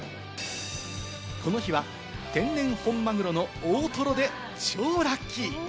この日は天然本マグロの大トロで超ラッキー。